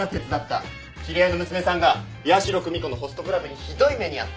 知り合いの娘さんが矢代久美子のホストクラブにひどい目に遭った。